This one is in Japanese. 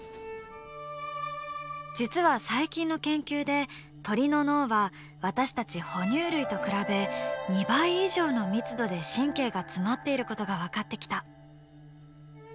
実は最近の研究で鳥の脳は私たちほ乳類と比べ２倍以上の密度で神経が詰まっていることが分かってきた。